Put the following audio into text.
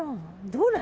どれ？